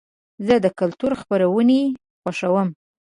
زه د کلتور خپرونې خوښوم.